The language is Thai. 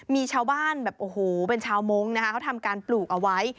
มีชาวบ้านแบบโอ้โหเป็นชาวมงค์นะคะเขาทำการปลูกเอาไว้